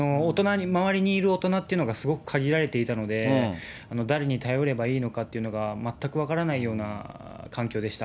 周りにいる大人というのがすごく限られていたので、誰に頼ればいいのかっていうのが全く分からない環境でした。